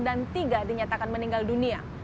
dan tiga dinyatakan meninggal dunia